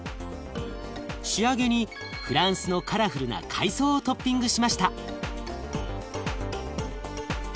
仕上げにフランスのカラフルな海藻をトッピングしました。